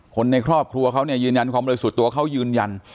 คนในครอบครัวเขาเนี่ยยืนยันความบริสุทธิ์ตัวเขายืนยัน